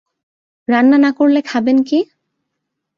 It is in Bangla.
রান্না না করলে খাবেন কী?